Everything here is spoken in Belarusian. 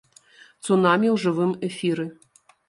Цунамі ў жывым эфіры.